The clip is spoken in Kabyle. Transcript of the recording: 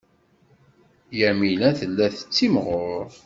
Yamina tella tettimɣur.